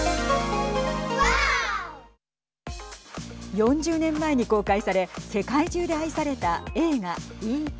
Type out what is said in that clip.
４０年前に公開され世界中で愛された映画Ｅ．Ｔ．。